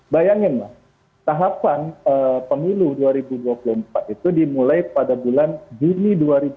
bayangin mas tahapan pemilu dua ribu dua puluh empat itu dimulai pada bulan juni dua ribu dua puluh